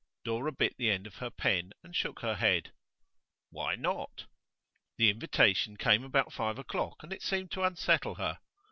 Dora bit the end of her pen and shook her head. 'Why not?' 'The invitation came about five o'clock, and it seemed to unsettle her.